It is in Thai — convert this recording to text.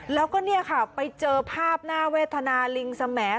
แล้วก็ไปเจอภาพหน้าเวทนาลิงแสม